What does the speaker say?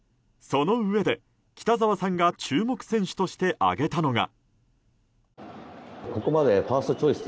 そのうえで、北澤さんが注目選手として挙げたのが。